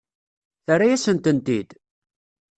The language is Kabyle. Terra-yasen-tent-id?